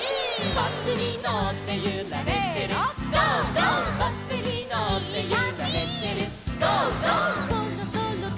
「バスにのってゆられてる」いくよ！